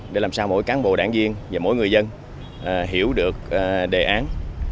để làm sao mỗi cán bộ đảng viên và mỗi người dân hiểu được đề án